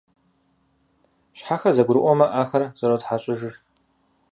Щхьэхэр зэгурыӀуэмэ, Ӏэхэр зэротхьэщӀыжыр.